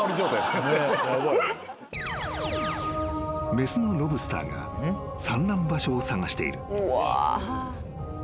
［雌のロブスターが産卵場所を探している］